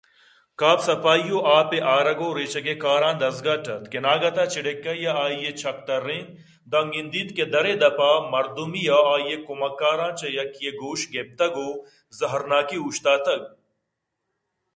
کاف صفائی ءُآپ ءِ آرگ ءُریچگ ءِ کاراں دزگٹ اَت کہ ناگتءَ چڈکہے ءَ آئی ءِ چّک ترّینت تاں گندیت کہ در ءِ دپ ءَ مردے ءَ آئی ءِ کمکاراں چہ یکے ءِگوش ءَ گپتگ ءُزہر ناکی اوشتاتگ